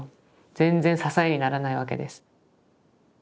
全然支えにならないわけです。